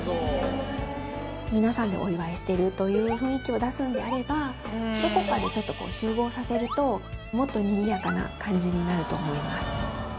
皆さんでお祝いしてるという雰囲気を出すんであればどこかで集合させるともっとにぎやかな感じになると思います。